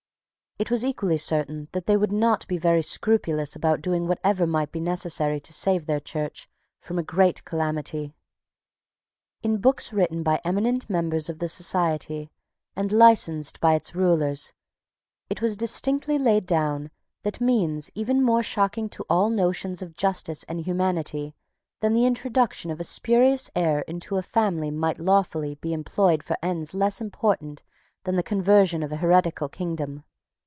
It was equally certain that they would not be very scrupulous about doing whatever might be necessary to save their Church from a great calamity. In books written by eminent members of the Society, and licensed by its rulers, it was distinctly laid down that means even more shocking to all notions of justice and humanity than the introduction of a spurious heir into a family might lawfully be employed for ends less important than the conversion of a heretical kingdom.